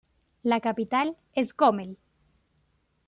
La capital es Gómel.